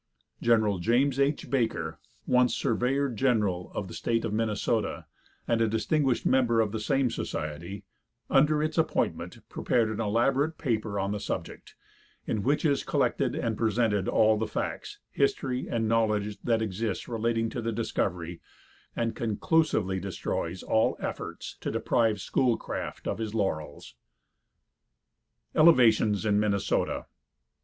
Gen. James H. Baker, once surveyor general of the State of Minnesota, and a distinguished member of the same society, under its appointment, prepared an elaborate paper on the subject, in which is collected and presented all the facts, history and knowledge that exists relating to the discovery, and conclusively destroys all efforts to deprive Schoolcraft of his laurels. ELEVATIONS IN MINNESOTA.